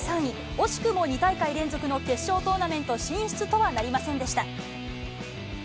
惜しくも２大会連続の決勝トーナメント進出とはなりませんでした。